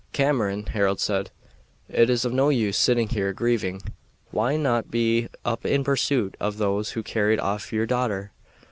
"Cameron," Harold said, "it is of no use sitting here grieving. Why not be up in pursuit of those who carried off your daughter?"